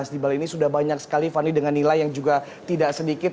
di bali ini sudah banyak sekali fanny dengan nilai yang juga tidak sedikit